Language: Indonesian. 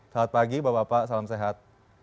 selamat pagi bapak bapak salam sehat